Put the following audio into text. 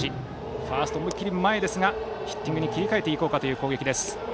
ファースト、思い切り前ですがヒッティングに切り替えていこうかという攻撃。